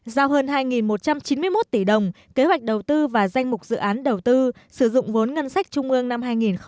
giao hơn hai một trăm chín mươi một tỷ đồng kế hoạch đầu tư và danh mục dự án đầu tư sử dụng vốn ngân sách trung ương năm hai nghìn hai mươi